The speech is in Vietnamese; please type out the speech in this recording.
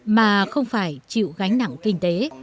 mà không phải chịu gánh nặng kinh tế